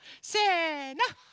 せの。